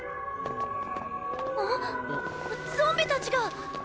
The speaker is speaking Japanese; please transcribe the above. アッゾンビたちが。